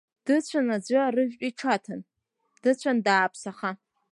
Дыцәан аӡәы арыжәтә иҽаҭан, дыцәан дааԥсаха.